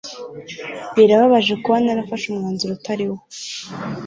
Birababaje kuba narafashe umwanzuro utari wo.